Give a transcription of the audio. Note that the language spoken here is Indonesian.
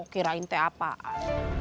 kirain teh apaan